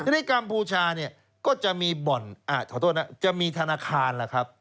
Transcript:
ที่ในกัมพูชาก็จะมีบ่อนอ่าขอโทษนะจะมีธนาคารล่ะครับ